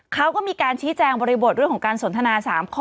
เขาก็มีการชี้แจงบริบทเรื่องของการสนทนา๓ข้อ